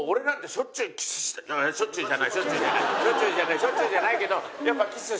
しょっちゅうじゃないけどやっぱキスしたいと思うし。